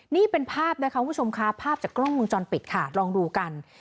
นี่เป็นภาพนะคะคุณผู้ชมค่ะภาพจากกล้องมุมจรปิดค่ะลองดูกัน